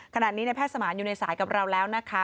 ขณะนี้ในแพทย์สมานอยู่ในสายกับเราแล้วนะคะ